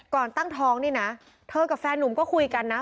ตั้งท้องนี่นะเธอกับแฟนหนุ่มก็คุยกันนะ